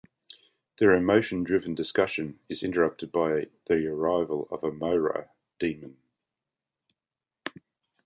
Their emotion-driven discussion is interrupted by the arrival of a Mohra demon.